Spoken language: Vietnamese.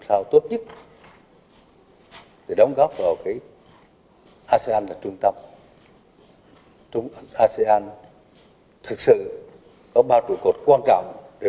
sao tốt nhất để đóng góp vào cái asean là trung tâm trong asean thực sự có ba trụ cột quan trọng để